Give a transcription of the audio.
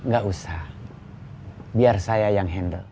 gak usah biar saya yang handle